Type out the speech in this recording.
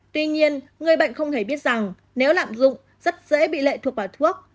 tuy nhiên người bệnh không hề biết rằng nếu lạm dụng rất dễ bị lệ thuộc vào thuốc